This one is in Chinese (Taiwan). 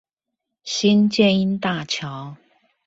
新箭瑛大橋